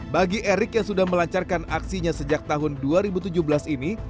bagi erick yang sudah melancarkan aksinya sejak tahun dua ribu tujuh belas ini